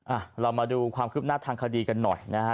อ่ะเรามาดูความคืบหน้าทางคดีกันหน่อยนะฮะ